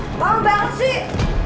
mau banget sih